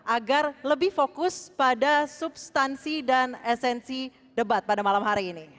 agar lebih fokus pada substansi dan esensi debat pada malam hari ini